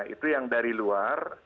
itu yang dari luar